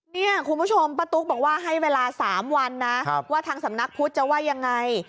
เนี่ยคุณผู้ชมป้าตุ๊กบอกว่าให้เวลา๓วันนะว่าทางสำนักพุทธจะว่ายังไง